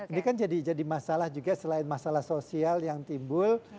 ini kan jadi masalah juga selain masalah sosial yang timbul